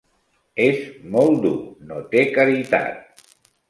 És molt dur: no té caritat.